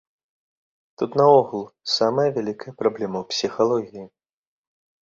Тут наогул самая вялікая праблема у псіхалогіі.